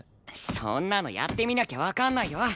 そんなのやってみなきゃわかんないよ！